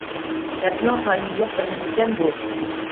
دەردىنىڭ تايىنى يوق بىر نېمىكەن بۇ.